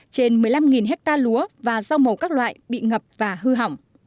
trên một mươi năm hectare lúa và rau màu các loại bị ngập và hư hỏng